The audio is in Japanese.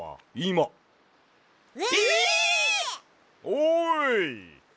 おい！